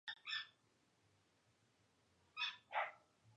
Es el seleccionador de la selección de fútbol de Lituania.